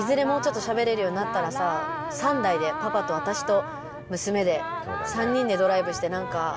もうちょっとしゃべれるようになったらさ３代でパパと私と娘で３人でドライブしてなんか。